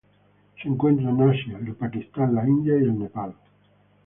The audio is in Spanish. Se encuentran en Asia: el Pakistán la India y el Nepal.